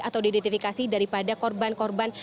atau diidentifikasi daripada korban korban